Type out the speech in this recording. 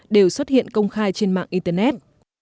đều xuất hiện công khai trên mạng internet